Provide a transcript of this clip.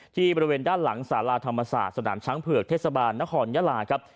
บริเวณด้านหลังสาราธรรมศาสตร์สนามช้างเผือกเทศบาลนครยาลาครับ